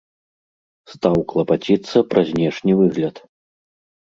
Стаў клапаціцца пра знешні выгляд.